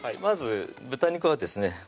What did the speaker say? まず豚肉はですね